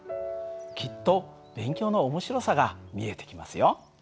きっと勉強の面白さが見えてきますよ。